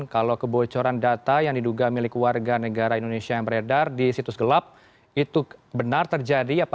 kalau kebocoran data yang diduga milik warga negara indonesia yang beredar di situs gelap itu benar terjadi